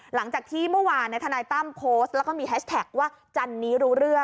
หลังจากที่เมื่อวานทนายตั้มโพสต์แล้วก็มีแฮชแท็กว่าจันนี้รู้เรื่อง